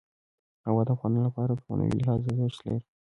هوا د افغانانو لپاره په معنوي لحاظ ارزښت لري.